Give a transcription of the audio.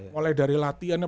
mulai dari latihannya